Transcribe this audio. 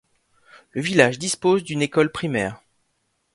Le village dispose d'une école primaire.